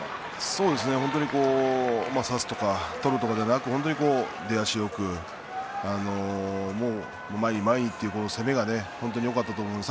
そうですね差すとか取るとかではなく本当に出足よく前に前にという攻めが本当によかったと思います。